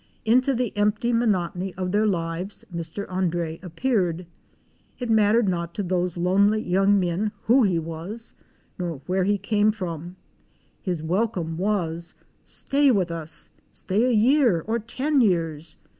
Into the empty monotony of their lives, Mr. André appeared. It mattered not to those lonely young men who he was, nor where he came from. His welcome was — "Stay with us. Stay a year — or ten years.